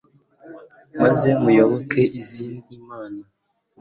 maze muyoboka izindi mana